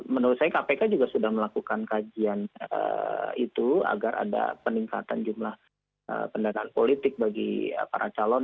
menurut saya kpk juga sudah melakukan kajian itu agar ada peningkatan jumlah pendanaan politik bagi para calon